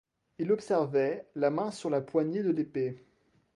Il observait, la main sur la poignée de l'épée.